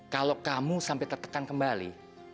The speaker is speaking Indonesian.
kalau kamu sampai tertekan kembali